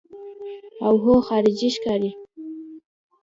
اوهو خارجۍ ښکاري.